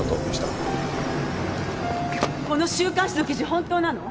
この週刊誌の記事本当なの？